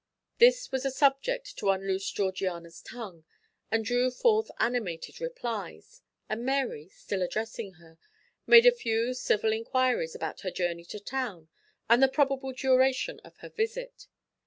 This was a subject to unloose Georgiana's tongue and drew forth animated replies, and Mary, still addressing her, made a few civil inquiries about her journey to town and the probable duration of her visit.